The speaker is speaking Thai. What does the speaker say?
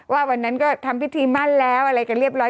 วันนั้นก็ทำพิธีมั่นแล้วอะไรกันเรียบร้อย